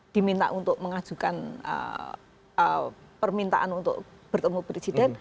diminta untuk mengajukan permintaan untuk bertemu presiden